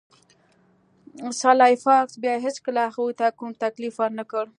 سلای فاکس بیا هیڅکله هغوی ته کوم تکلیف ورنکړ